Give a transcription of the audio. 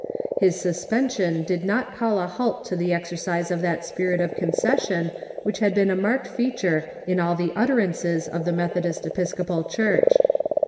His suspension did not call a halt to the exercise of that spirit of concession which had been a marked feature in all the utterances of the Methodist Episcoj)al Church.